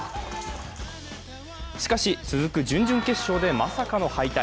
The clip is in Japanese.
しかし、続く準々決勝でまさかの敗退。